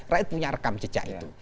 rakyat punya rekam jejak itu